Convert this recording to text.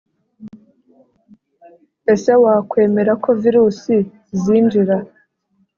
Ese wakwemera ko virusi zinjira